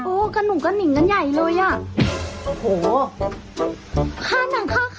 โอ้จะหนูกะหนิงกันใหญ่เลยอ่ะ